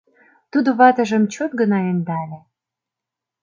— Тудо ватыжым чот гына ӧндале.